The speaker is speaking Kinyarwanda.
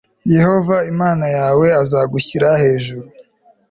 yehova imana yawe azagushyira hejuru